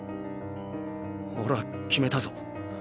オレは決めたぞ。